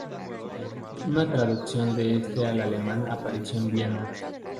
Una traducción de este al alemán apareció en Viena.